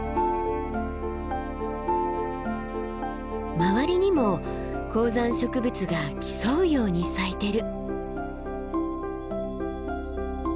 周りにも高山植物が競うように咲いてる。